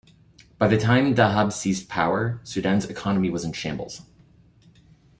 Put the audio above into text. By the time Dhahab seized power, Sudan's economy was in shambles.